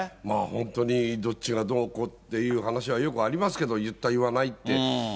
本当にどっちがどうこうっていう話はよくありますけど、言った言わないって。